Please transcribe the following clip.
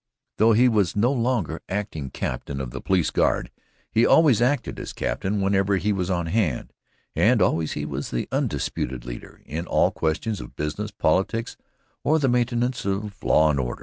Though he was no longer acting captain of the Police Guard, he always acted as captain whenever he was on hand, and always he was the undisputed leader in all questions of business, politics or the maintenance of order and law.